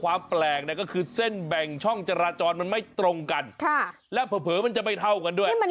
ความแปลกก็คือเส้นแบ่งช่องจราจรมันไม่ตรงกันและเผลอมันจะไม่เท่ากันด้วย